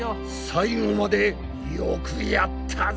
最後までよくやったぞ！